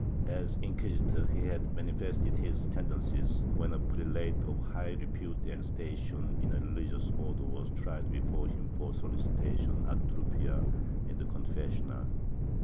^ As inquisitor he had manifested his tendencies, when a prelate of high repute and station in a religious Order was tried before him for solici tation ad turpia in the confessional.